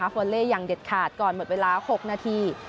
ฟอเล่อย่างเด็ดขาดก่อนหมดเวลา๖นาที